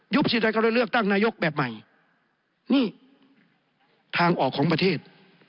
ยุบสิถ้าเขาได้เลือกตั้งนายกแบบใหม่นี่ทางออกของประเทศ